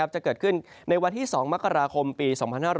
จะเกิดขึ้นในวันที่๒มกราคมปี๒๕๕๙